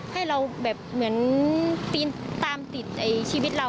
ให้เราแบบเหมือนปีนตามติดชีวิตเรา